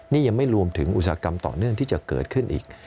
นี่ยังไม่รวมถึงอุตสาหกรรมต่อเนื่องที่จะเกิดขึ้นอีก